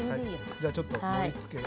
じゃあちょっと盛りつけを。